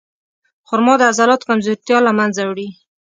خرما د عضلاتو کمزورتیا له منځه وړي.